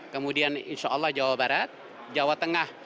kemudian insya allah jawa barat jawa tengah